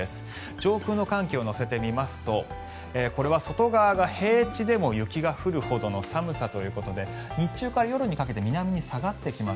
上空の寒気を乗せてみますとこれは外側が平地でも雪が降るほどの寒さということで日中から夜にかけて南に下がってきます。